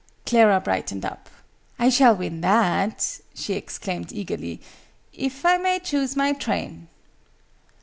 Clara brightened up. "I shall win that," she exclaimed eagerly, "if I may choose my train!"